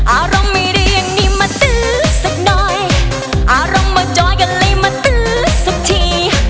อารมณ์ไม่ดีอย่างนี้มาตื้อสักหน่อยอารมณ์มาจอยกันเลยมาตื้อสักที